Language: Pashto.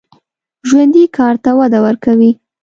ژوندي کار ته وده ورکوي